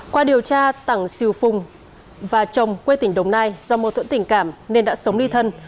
qua điều tra tăng sửu phùng và chồng quê tỉnh đồng nai do mô tưởng tình cảm nên đã sống đi thân